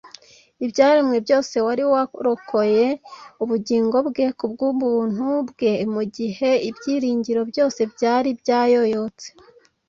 ibyaremwe byose wari warokoye ubugingo bwe kubw'ubwuntu bwe mu gihe ibyiringiro byose byari byayoyotse